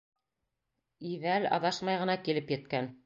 Ивәл аҙашмай ғына килеп еткән.